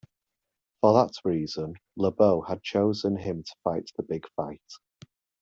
For that reason Le Beau had chosen him to fight the big fight.